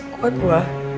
kok itu ah